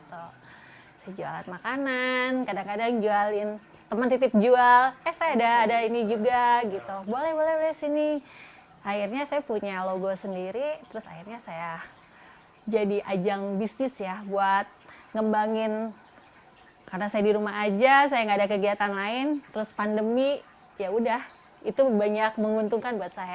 terus pandemi yaudah itu banyak menguntungkan buat saya